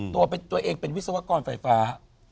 ตัวเองเป็นวิศวกรไฟฟ้า